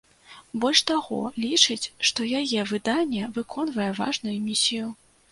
Больш таго, лічыць, што яе выданне выконвае важную місію.